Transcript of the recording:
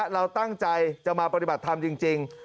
เราตั้งใจจะมาปฏิบัติธรรมจริง